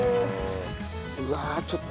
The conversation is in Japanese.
うわあちょっと。